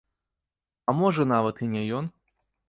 А можа нават і не ён?